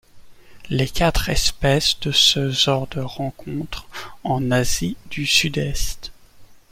Les quatre espèces de ce genre se rencontrent en Asie du Sud-Est.